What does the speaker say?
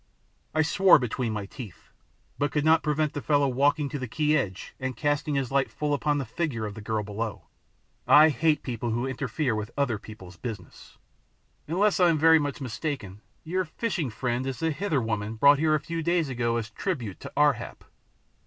I swore between my teeth, but could not prevent the fellow walking to the quay edge and casting his light full upon the figure of the girl below. I hate people who interfere with other people's business! "Unless I am very much mistaken your fishing friend is the Hither woman brought here a few days ago as tribute to Ar hap."